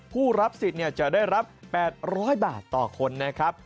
ผู้รับสิทธิ์จะได้รับ๘๐๐บาทต่อคนนะครับ